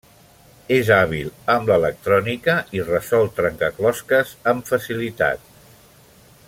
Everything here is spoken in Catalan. És hàbil amb l'electrònica i resol trencaclosques amb facilitat.